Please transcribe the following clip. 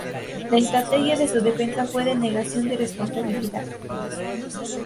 La estrategia de su defensa fue de negación de responsabilidad.